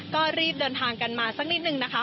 ก็รีบเดินทางกันมาสักนิดนึงนะคะ